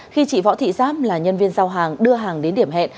khi chị võ thị giáp là nhân viên giao hàng đưa hàng đến điểm hẹn